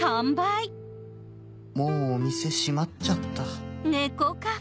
もうお店閉まっちゃった